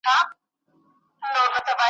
ستا په ښکلي طبیعت مي